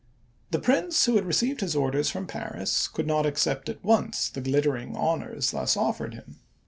The Prince, who had received his orders from Paris, could not accept at once the glittering honors thus offered him.